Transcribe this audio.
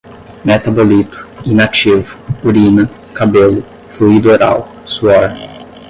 metabolito, inativo, urina, cabelo, fluído oral, suor